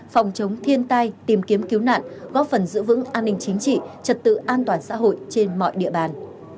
phòng chống thiên tai tìm kiếm cứu nạn góp phần giữ vững an ninh chính trị trật tự an toàn xã hội trên mọi địa bàn